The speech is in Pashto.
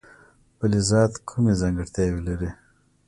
فلزات کومې ځانګړتیاوې لري.